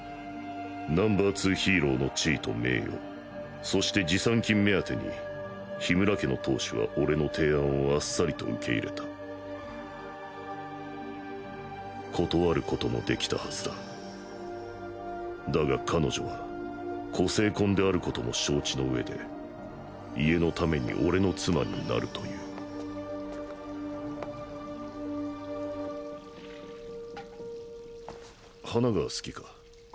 Ｎｏ．２ヒーローの地位と名誉そして持参金目当てに氷叢家の当主は俺の提案をあっさりと受け入れた断ることもできたはずだだが彼女は個性婚である事も承知の上で家の為に俺の妻になるという花が好きか。